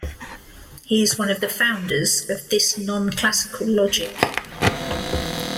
He is one of the founders of this non-classical logic.